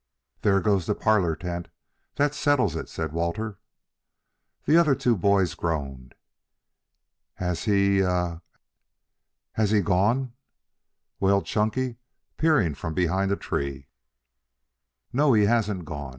"There goes the parlor tent. That settles it," said Walter. The other two boys groaned. "Has he ha ha has he gone?" wailed Chunky, peering from behind a tree. "No, he hasn't gone.